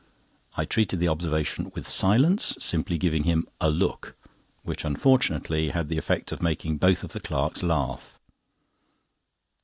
I treated the observation with silence, simply giving him a look, which unfortunately had the effect of making both of the clerks laugh.